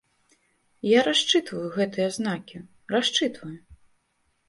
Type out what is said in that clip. Я расчытваю гэтыя знакі, расчытваю.